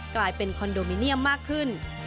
กลายเป็นคอนโดมิเนียมมากขึ้น